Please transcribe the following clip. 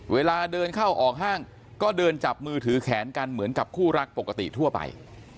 เวลาเดินเข้าออกห้างก็เดินจับมือถือแขนกันเหมือนกับคู่รักปกติทั่วไป